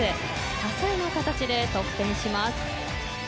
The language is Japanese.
多彩な形で得点します。